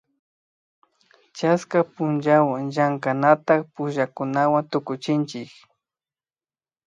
chaska punllawan llankanak pullakunata tukuchinchik